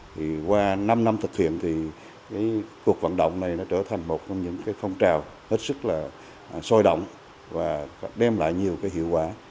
thì qua năm năm thực hiện thì cái cuộc vận động này nó trở thành một trong những cái phong trào hết sức là sôi động và đem lại nhiều cái hiệu quả